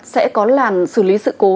sẽ có làn xử lý sự cố